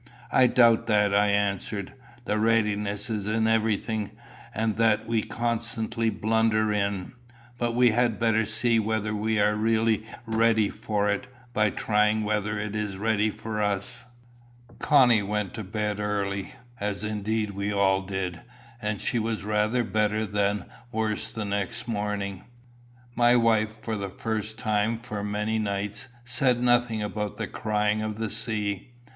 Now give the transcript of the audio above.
"I doubt that," I answered. "The readiness is everything, and that we constantly blunder in. But we had better see whether we are really ready for it, by trying whether it is ready for us." Connie went to bed early, as indeed we all did, and she was rather better than worse the next morning. My wife, for the first time for many nights, said nothing about the crying of the sea.